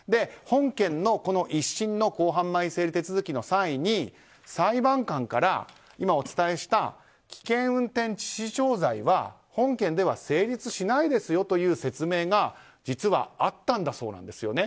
本件の１審の公判前整理手続きの際に裁判官から、今お伝えした危険運転致死傷罪は本件では成立しないですよという説明が実はあったんだそうです。